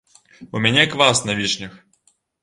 У мяне квас на вішнях.